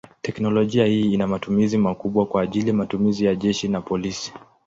Teknolojia hii ina matumizi makubwa kwa ajili matumizi ya jeshi na polisi.